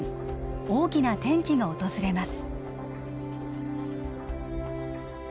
大きな転機が訪れます